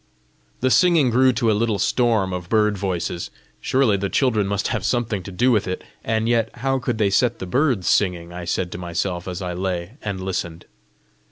The singing grew to a little storm of bird voices. "Surely the children must have something to do with it! And yet how could they set the birds singing?" I said to myself as I lay and listened.